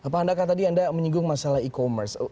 pak handaka tadi anda menyinggung masalah e commerce